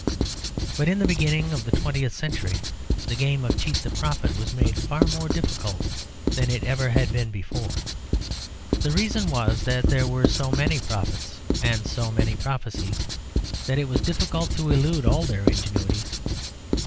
But in the beginning of the twentieth century the game of Cheat the Prophet was made far more difficult than it had ever been before. The reason was, that there were so many prophets and so many prophecies, that it was difficult to elude all their ingenuities.